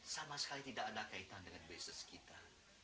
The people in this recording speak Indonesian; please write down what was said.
sama sekali tidak ada kaitan dengan bisnis kita